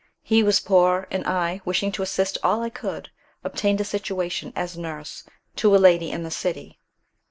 He was poor, and I, wishing to assist all I could, obtained a situation as nurse to a lady in this city.